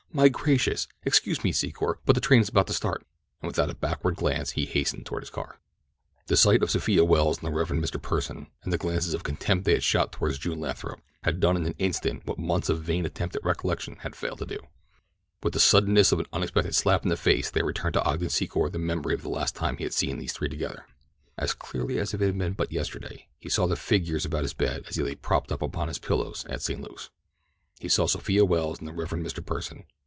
"My gracious! Excuse me, Secor, but the train is about to start." And without a backward glance he hastened toward his car. The sight of Sophia Welles and the Rev. Mr. Pursen, and the glances of contempt they had shot toward June Lathrop, had done in an instant what months of vain attempt at recollection had failed to do. With the suddenness of an unexpected slap in the face there returned to Ogden Secor the memory of the last time he had seen these three together. As clearly as if it had been but yesterday he saw the figures about his bed as he lay propped up upon his pillows at St. Luke's. He saw Sophia Welles and the Rev. Mr. Pursen.